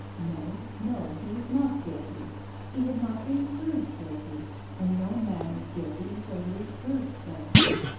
No, no, he was not guilty. He had not been proved guilty, and no man is guilty until he is proved so.